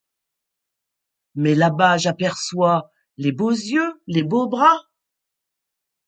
Mais, là-bas, j’aperçois... les beaux yeux! les beaux bras !